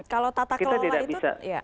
kita tidak bisa